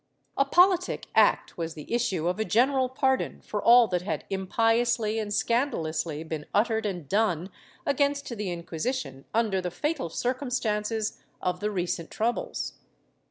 ^ A politic act was the issue of a general pardon for all that had "impiously and scandalously" been uttered and done against the Inquisition under the fatal circumstances of the recent troubles.